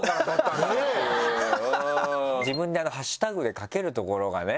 自分でハッシュタグで書けるところがね。